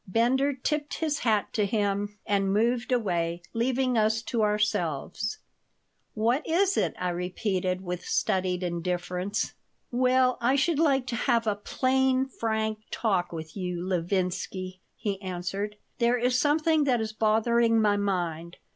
Bender tipped his hat to him and moved away, leaving us to ourselves "What is it?" I repeated, with studied indifference "Well, I should like to have a plain, frank talk with you, Levinsky," he answered. "There is something that is bothering my mind.